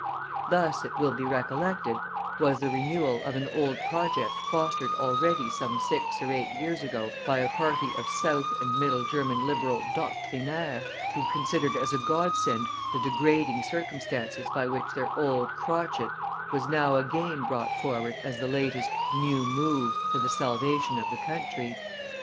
This, it will be recollected, was the renewal of an old project fostered already some six or eight years ago by a party of South and Middle German Liberal doctrinaires, who considered as a godsend the degrading circumstances by which their old crotchet was now again brought forward as the latest "new move" for the salvation of the country.